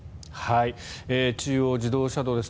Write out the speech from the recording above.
中央自動車道です。